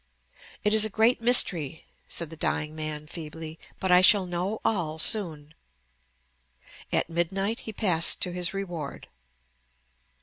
"It is a great mystery," said the dying man feebly; "but I shall know all soon." At midnight he passed to his reward.